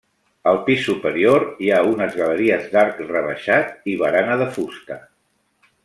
Al pis superior hi ha unes galeries d'arc rebaixat i barana de fusta.